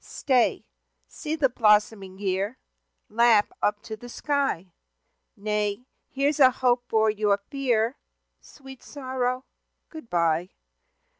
Stay! See the blossoming year, Laugh up to the sky. Nay, here's a hope for your fear, Sweet sorrow good bye!